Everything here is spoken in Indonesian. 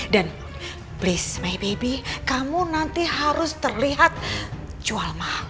dan please my baby kamu nanti harus terlihat jual mahal